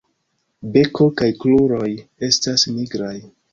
Beko kaj kruroj estas nigraj.